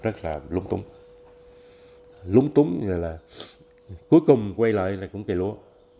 rất là lúng túng lúng túng như là cuối cùng quay lại là cũng cây lúa